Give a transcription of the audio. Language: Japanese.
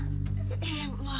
ええまあ。